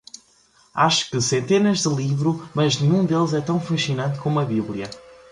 Acho que centenas de livro, mas nenhum deles é tão fascinante como a bíblia.